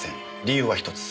理由は１つ。